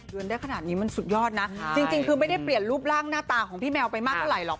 เดินได้ขนาดนี้มันสุดยอดนะจริงคือไม่ได้เปลี่ยนรูปร่างหน้าตาของพี่แมวไปมากเท่าไหรหรอก